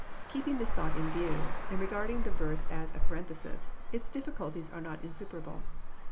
Keeping this thought in view, and regarding the verse as a parenthesis, its difficulties are not insuperable.